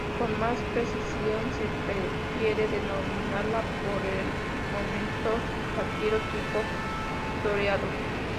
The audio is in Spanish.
Con más precisión se prefiere denominarla por el momento "Sátiro tipo Toledo".